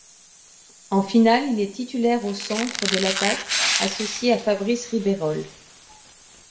En finale, il est titulaire au centre de l'attaque, associé à Fabrice Ribeyrolles.